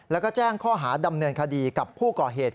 แล้วก็แจ้งข้อหาดำเนินคดีกับผู้ก่อเหตุ